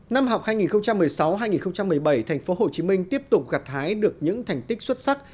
năm học hai nghìn một mươi sáu hai nghìn một mươi bảy thành phố hồ chí minh tiếp tục gặt hái được những thành tích xuất sắc